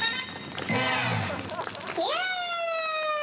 イエイ！